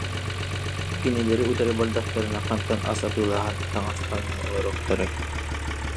Кинилэри утары бардахтарына хантан ас атыылаһан, таҥас таҥнан олоруохтарай